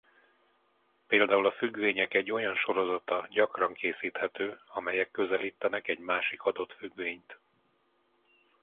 Például a függvények egy olyan sorozata gyakran készíthető amelyek közelítenek egy másik adott függvényt.